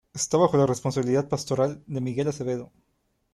Esta bajo la responsabilidad pastoral de Miguel Acevedo.